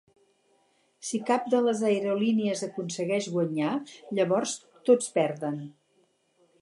Si cap de les aerolínies aconsegueix guanyar, llavors totes perden.